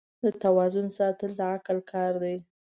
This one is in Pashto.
د توازن ساتل د عقل کار دی.